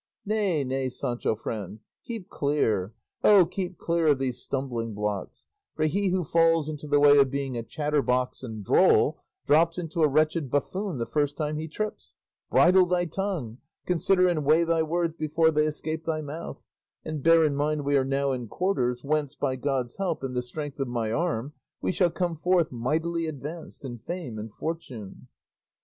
Nay, nay, Sancho friend, keep clear, oh, keep clear of these stumbling blocks; for he who falls into the way of being a chatterbox and droll, drops into a wretched buffoon the first time he trips; bridle thy tongue, consider and weigh thy words before they escape thy mouth, and bear in mind we are now in quarters whence, by God's help, and the strength of my arm, we shall come forth mightily advanced in fame and fortune."